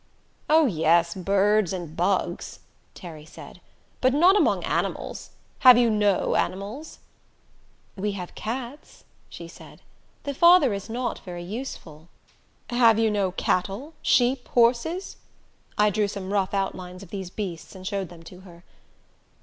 "Oh, yes, birds and bugs," Terry said, "but not among animals have you no animals?" "We have cats," she said. "The father is not very useful." "Have you no cattle sheep horses?" I drew some rough outlines of these beasts and showed them to her.